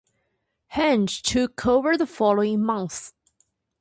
Hedges took over the following month.